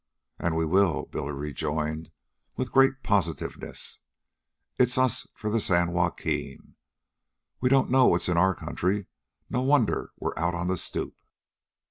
"And we will," Billy rejoined with great positiveness. "It's us for the San Joaquin. We don't know what's in our country. No wonder we're out on the stoop."